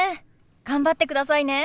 頑張ってくださいね。